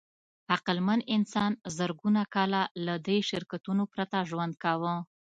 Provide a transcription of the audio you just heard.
عقلمن انسان زرګونه کاله له دې شرکتونو پرته ژوند کاوه.